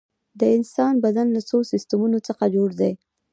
د انسان بدن له څو سیستمونو څخه جوړ دی